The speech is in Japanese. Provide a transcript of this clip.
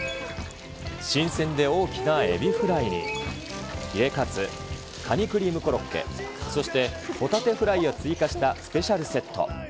新鮮で大きなエビフライに、ヒレカツ、カニクリームコロッケ、そしてホタテフライを追加したスペシャルセット。